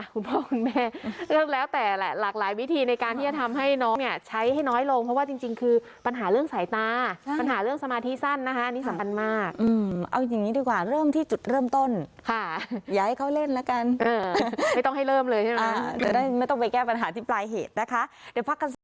คุณพ่อคุณแม่เรื่องแล้วแต่แหละหลากหลายวิธีในการที่จะทำให้น้องเนี่ยใช้ให้น้อยลงเพราะว่าจริงคือปัญหาเรื่องสายตาปัญหาเรื่องสมาธิสั้นนะคะอันนี้สำคัญมากเอาอย่างนี้ดีกว่าเริ่มที่จุดเริ่มต้นค่ะอย่าให้เขาเล่นแล้วกันไม่ต้องให้เริ่มเลยใช่ไหมจะได้ไม่ต้องไปแก้ปัญหาที่ปลายเหตุนะคะเดี๋ยวพักกันสัก